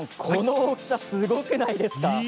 この大きさ、すごくないですか？